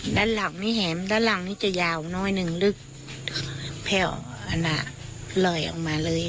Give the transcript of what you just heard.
ด้านหลังนี่แหนะด้านหลังนี่จะยาวน้อยนึง